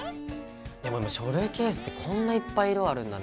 でも今書類ケースってこんないっぱい色あるんだね。